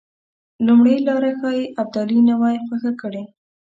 لومړۍ لاره ښایي ابدالي نه وای خوښه کړې.